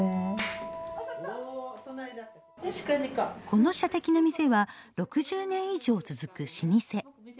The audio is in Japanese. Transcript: この射的の店は６０年以上続く老舗。